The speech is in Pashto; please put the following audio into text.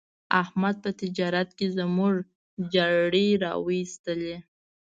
احمد په تجارت کې زموږ جرړې را و ایستلې.